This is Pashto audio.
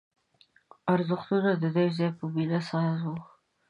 ارزښتونه د دې ځای په مینه ساز وو